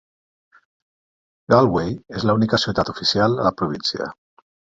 Galway és l'única ciutat oficial a la província.